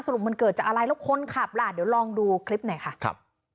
รุปมันเกิดจากอะไรแล้วคนขับล่ะเดี๋ยวลองดูคลิปหน่อยค่ะครับ